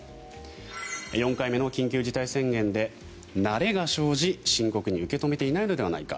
４回目の緊急事態宣言で慣れが生じ深刻に受け止めていないのではないか。